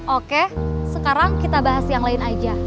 oke sekarang kita bahas yang lain aja